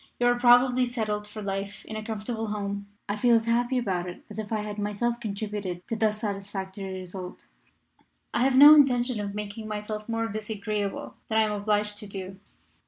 You are probably settled for life in a comfortable home. I feel as happy about it as if I had myself contributed to thus satisfactory result. "I have no intention of making myself more disagreeable than I am obliged to do.